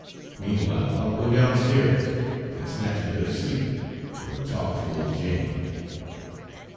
Meanwhile I'll go downstairs and snatch a bit of sleep, or talk to old Jane."